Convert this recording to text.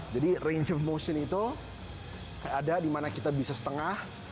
jadi range of motion itu ada dimana kita bisa setengah